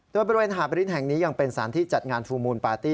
โดยบริเวณหาบริ้นแห่งนี้ยังเป็นสารที่จัดงานฟูลมูลปาร์ตี้